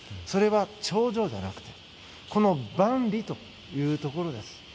それは、頂上じゃなくてこの「万里」というところです。